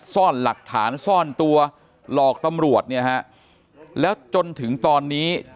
ซ่อนหลักฐานซ่อนตัวหลอกตำรวจเนี่ยฮะแล้วจนถึงตอนนี้